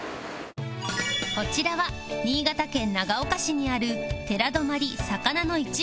こちらは新潟県長岡市にある寺泊魚の市場通り